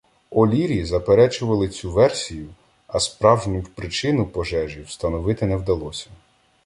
О'Лірі заперечували цю версію, а справжню причину пожежі встановити не вдалося.